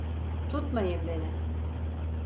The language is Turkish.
Tutmayın beni!